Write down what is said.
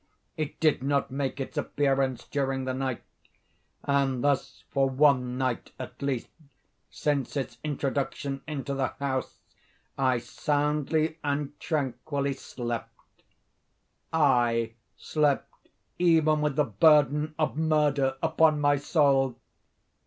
It did not make its appearance during the night; and thus for one night at least, since its introduction into the house, I soundly and tranquilly slept; aye, slept even with the burden of murder upon my soul!